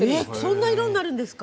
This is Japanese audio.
そんな色になるんですか。